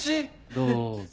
どうぞ。